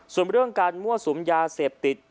ส่วนเรื่องการมั่วสุมยาเสพติด